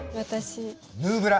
「ヌーブラ」。